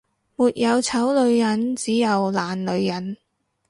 沒有醜女人，只有懶女人